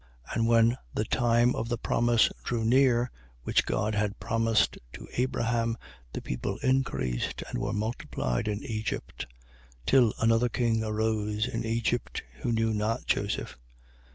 7:17. And when the time of the promise drew near, which God had promised to Abraham, the people increased and were multiplied in Egypt. 7:18. Till another king arose in Egypt, who knew not Joseph.